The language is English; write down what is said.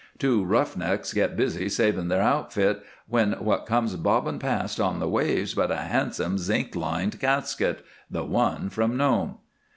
Two 'rough necks' get busy saving their outfit, when what comes bobbing past on the waves but a handsome zink lined casket the one from Nome.